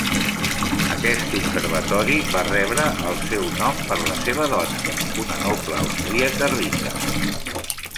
Aquest observatori va rebre el seu nom per la seva dona, una noble austríaca rica.